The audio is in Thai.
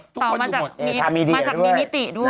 ต่อมาจากมีมิติด้วย